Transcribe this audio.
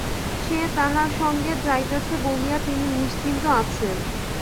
সে তাঁহার সঙ্গে যাইতেছে বলিয়া তিনি নিশ্চিন্ত আছেন।